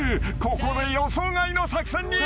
ここで予想外の作戦に］